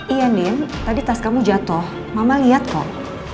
iya nin tadi tas kamu jatuh mama lihat kok